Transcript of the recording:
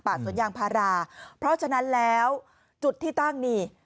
สวนยางพาราเพราะฉะนั้นแล้วจุดที่ตั้งนี่